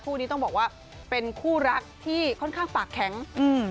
คู่นี้ต้องบอกว่าเป็นคู่รักที่ค่อนข้างปากแข็งอืม